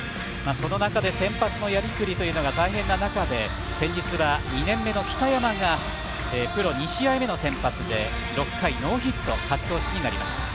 その中で先発のやりくりが大変な中で、先日は２年目の北山が、プロ２試合目の先発で６回ノーヒット勝ち投手になりました。